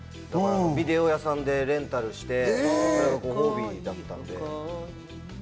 ビデオ屋さんでレンタルしてそれがご褒美だったので。